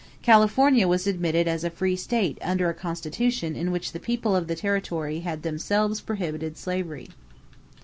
California was admitted as a free state under a constitution in which the people of the territory had themselves prohibited slavery.